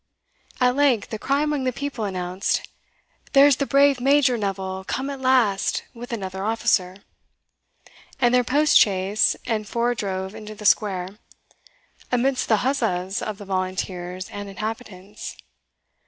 At length a cry among the people announced, "There's the brave Major Neville come at last, with another officer;" and their post chaise and four drove into the square, amidst the huzzas of the volunteers and inhabitants.